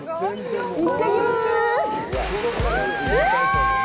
行ってきまーす！